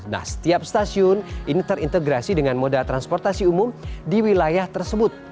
nah setiap stasiun ini terintegrasi dengan moda transportasi umum di wilayah tersebut